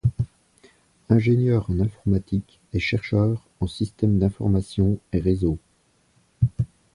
Ingénieur en informatiques et chercheur en systèmes d'information et réseaux.